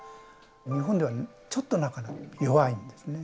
日本ではちょっとなかなか弱いんですね。